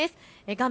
画面